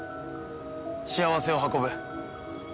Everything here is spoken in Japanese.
幸せを運ぶ。